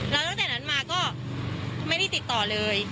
แล้วตั้งแต่นั้นมาก็ไม่ได้ติดต่อเลย